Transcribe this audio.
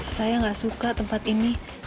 saya nggak suka tempat ini